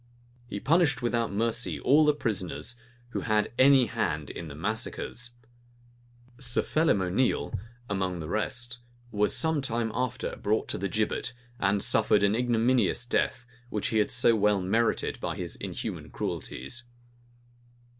He punished without mercy all the prisoners who had any hand in the massacres. Sir Phelim O'Neale, among the rest, was some time after brought to the gibbet, and suffered an ignominious death, which he had so well merited by his inhuman cruelties.